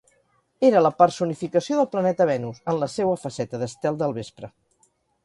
Era la personificació del planeta Venus, en la seua faceta d'estel del vespre.